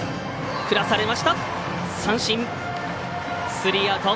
スリーアウト。